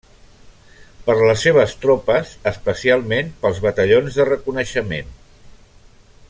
Per les seves tropes, especialment pels batallons de reconeixement.